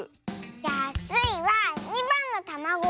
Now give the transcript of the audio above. じゃあスイは２ばんのたまご。